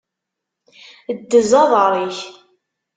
Ddez aḍaṛ-ik!